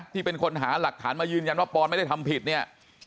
ที่เป็นคนหาหลักฐานมายืนยันว่าปอนไม่ได้ทำผิดเนี่ย